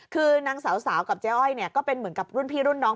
คือนางสาวกับเจ๊อ้อยเนี่ยก็เป็นเหมือนกับรุ่นพี่รุ่นน้อง